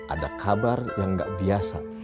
ada kabar yang gak biasa